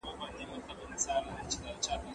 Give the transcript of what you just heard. صبر وکړئ هر څه سمېږي.